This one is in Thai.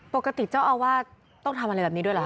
ปกติเจ้าอาวาสต้องทำอะไรแบบนี้ด้วยเหรอ